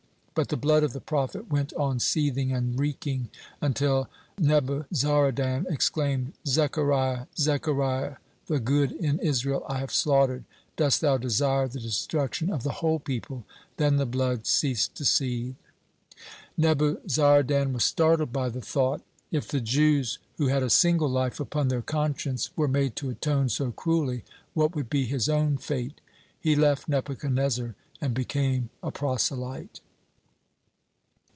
But the blood of the prophet went on seething and reeking, until Nebuzaradan exclaimed: "Zechariah, Zechariah, the good in Israel I have slaughtered. Dost thou desire the destruction of the whole people?" Then the blood ceased to seethe. Nebuzaradan was startled by the thought, if the Jews, who had a single life upon their conscience, were made to atone so cruelly, what would be his own fate! He left Nebuchadnezzar and became a proselyte.